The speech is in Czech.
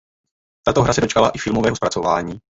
Tato hra se již dočkala i filmového zpracování.